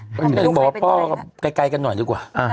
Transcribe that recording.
เพราะฉันเกียร์บอกว่าพ่อการไกลกันหน่อยกว่า